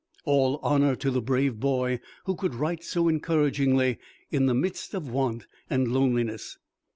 All honor to the brave boy who could write so encouragingly in the midst of want and loneliness!